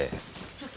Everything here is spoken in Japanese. ちょっと。